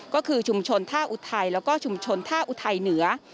ก็คือชุมชนท่าอุทัยแล้วก็ชุมชนท่าอุทัยเหนือ